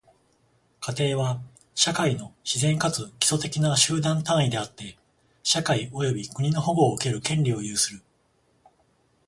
家庭は、社会の自然かつ基礎的な集団単位であって、社会及び国の保護を受ける権利を有する。